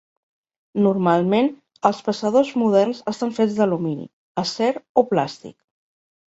Normalment, els passadors moderns estan fets d'alumini, acer o plàstic.